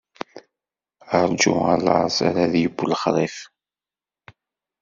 Ṛǧu a laẓ, ar ad yeww lexṛif!